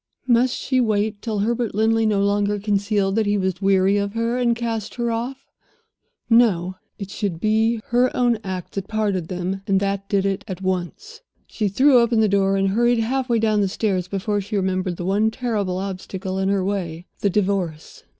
Must she wait till Herbert Linley no longer concealed that he was weary of her, and cast her off? No! It should be her own act that parted them, and that did it at once. She threw open the door, and hurried half way down the stairs before she remembered the one terrible obstacle in her way the Divorce.